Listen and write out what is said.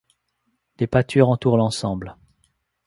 Des pâtures entourent l'ensemble.